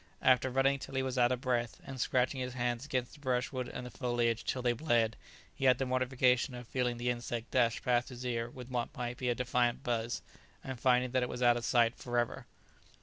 After running till he was out of breath, and scratching his hands against the brushwood and the foliage till they bled, he had the mortification of feeling the insect dash past his ear with what might be a defiant buzz, and finding that it was out of sight for ever.